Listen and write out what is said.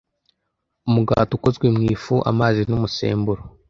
Umugati ukozwe mu ifu, amazi n'umusemburo.